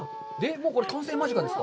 もう、これ、完成間近ですか？